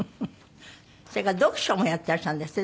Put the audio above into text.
それから読書もやってらっしゃるんですって？